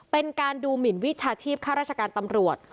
เป็นการดูหมินวิชาชีพค่าราชการตำรวจ